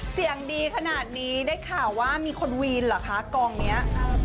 เสียงดีขนาดนี้ได้ข่าวว่ามีคนวีนเหรอคะกองนี้